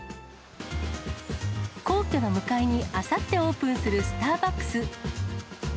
皇居に向かいにあさってオープンするスターバックス。